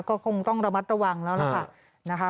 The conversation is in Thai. ก็คงต้องระมัดระวังแล้วนะคะ